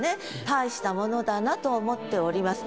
大したものだなと思っております。